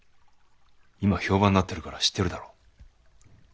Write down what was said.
今評判になってるから知ってるだろう？